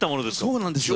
そうなんです。